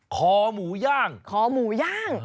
คอหมูย่าง